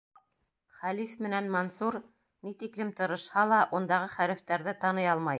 Хәлиф менән Мансур, ни тиклем тырышһа ла, ундағы хәрефтәрҙе таный алмай.